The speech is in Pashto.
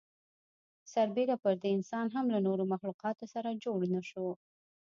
سر بېره پر دې انسان هم له نورو مخلوقاتو سره جوړ نهشو.